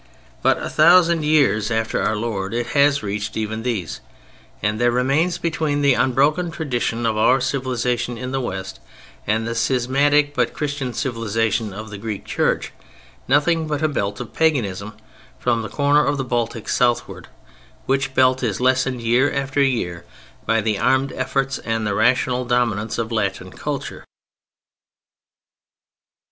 But a thousand years after Our Lord it has reached even these, and there remains between the unbroken tradition of our civilization in the West and the schismatic but Christian civilization of the Greek Church, nothing but a belt of paganism from the corner of the Baltic southward, which belt is lessened, year after year, by the armed efforts and the rational dominance of Latin culture.